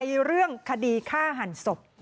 เรื่องคดีฆ่าหันศพ